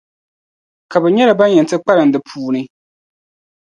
Ka bɛ nyɛla ban yɛn ti kpalim di puuni.